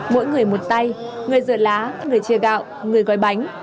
mỗi người một tay người rửa lá người chia gạo người gói bánh